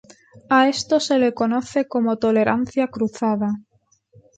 A esto se le conoce como tolerancia cruzada.